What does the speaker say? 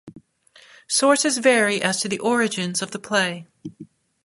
Sources vary as to the origins of the play.